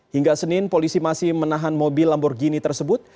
hingga senin polisi masih menahan mobil lamborghini tersebut